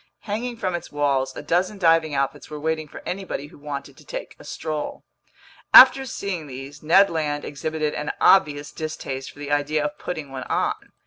Hanging from its walls, a dozen diving outfits were waiting for anybody who wanted to take a stroll. After seeing these, Ned Land exhibited an obvious distaste for the idea of putting one on.